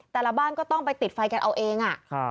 แต่ละบ้านก็ต้องไปติดไฟกันเอาเอง